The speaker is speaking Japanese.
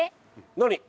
何？